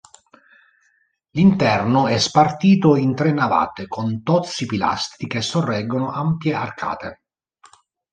L'interno è spartito in tre navate, con tozzi pilastri che sorreggono ampie arcate.